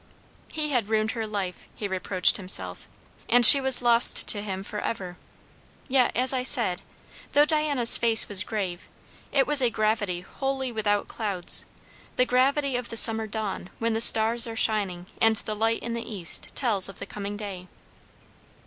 He had ruined her life, he reproached himself; and she was lost to him for ever. Yet, as I said, though Diana's face was grave, it was a gravity wholly without clouds; the gravity of the summer dawn, when the stars are shining and the light in the East tells of the coming day.